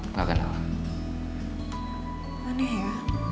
enggak gak kenal